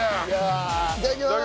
いただきます！